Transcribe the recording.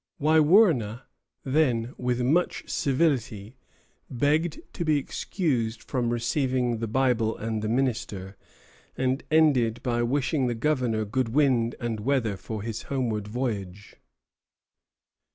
Wiwurna, then, with much civility, begged to be excused from receiving the Bible and the minister, and ended by wishing the governor good wind and weather for his homeward voyage.